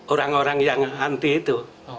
orang orang yang anti itu